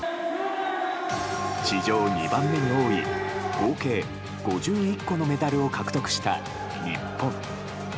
史上２番目に多い合計５１個のメダルを獲得した日本。